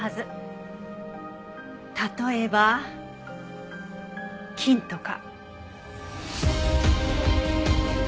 例えば菌とか。